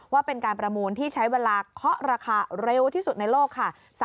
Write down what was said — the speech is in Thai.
ว่าเป็นการประมูลที่ใช้เวลาเคาะราคาเร็วที่สุดในโลกค่ะ